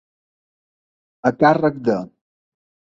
A càrrec de.